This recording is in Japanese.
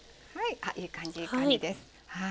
あいい感じいい感じです。